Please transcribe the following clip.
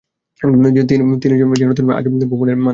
যেন তিনি এক আজব ভুবনের মানুষ।